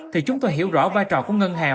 thì chúng tôi hiểu rõ vai trò của ngân hàng